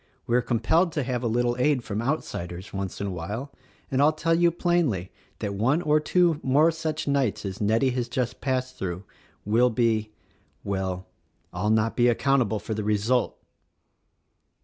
We are compelled to have a little aid from outsiders, once in a while; and I'll tell you plainly that one or two more such nights as Nettie has just passed through will be — well, — I'll not be account able for the result!"